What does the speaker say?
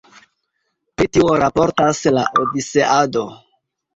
Pri tio raportas la Odiseado.